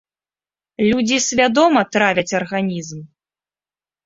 Людзі свядома травяць арганізм!